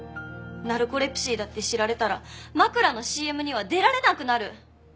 ナルコレプシーだって知られたら枕のＣＭには出られなくなる！